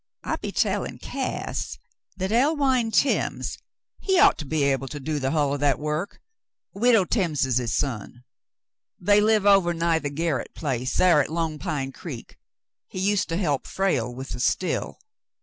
*'I be'n tellin' Cass that thar Elwine Timms, he ought to be able to do the hull o' that work. Widow Timmses' son. They live ovah nigh the Gerret place thar at Lone Pine Creek. He used to help Frale with the still.